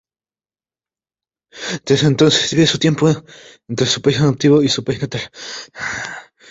Desde entonces divide su tiempo entre su país adoptivo y su país natal.